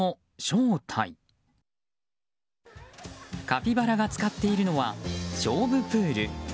カピバラが浸かっているのは菖蒲プール。